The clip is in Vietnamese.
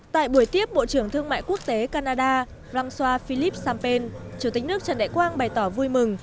tại buổi tiếp bộ trưởng thương mại quốc tế canada ramsua philip sampeen chủ tịch nước trần đại quang bày tỏ vui mừng